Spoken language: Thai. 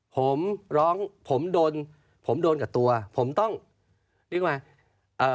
ผมร้องผมโดนกับตัวผมต้องเรียกไหม